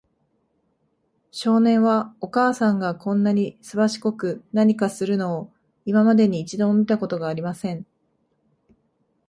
少年は、お母さんがこんなにすばしこく何かするのを、今までに一度も見たことがありません。